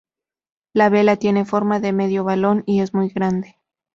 La vela tiene forma de medio balón y es muy grande.